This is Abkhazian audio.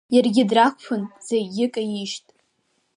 Иаргьы драқәԥан заигьы каижьт.